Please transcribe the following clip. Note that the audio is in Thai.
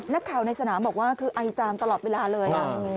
ในสนามบอกว่าคือไอจามตลอดเวลาเลย